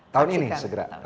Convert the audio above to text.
tahun ini segera